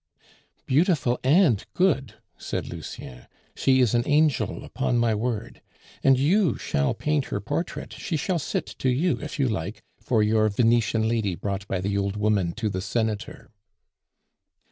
"Beautiful and good," said Lucien; "she is an angel, upon my word. And you shall paint her portrait; she shall sit to you if you like for your Venetian lady brought by the old woman to the senator."